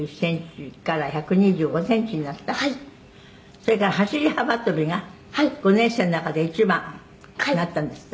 「それから走り幅跳びが５年生の中で一番になったんですって？」